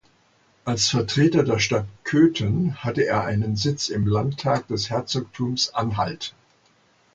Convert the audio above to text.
Als Vertreter der Stadt Cöthen hatte er einen Sitz im Landtag des Herzogtums Anhalt.